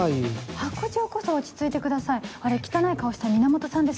ハコ長こそ落ち着いてくださいあれ汚い顔した源さんです。